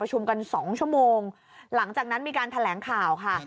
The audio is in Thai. กัน๒ชั่วโมงหลังจากนั้นมีการแถลงข่าวค่ะ